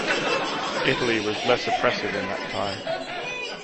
Italy was less oppressive in that time.